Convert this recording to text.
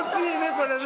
これね。